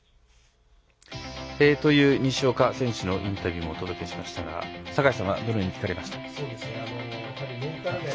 西岡選手のインタビューもお届けしましたが坂井さんはどのように聞かれましたか？